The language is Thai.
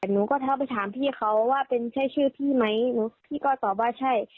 แต่หนูก็ทักไปถามพี่เขาว่าเป็นใช่ชื่อพี่ไหมพี่ก็ตอบว่าใช่